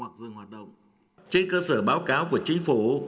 trên cơ sở báo cáo của chính phủ